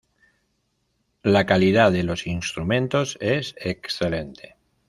La calidad de los instrumentos es excelente.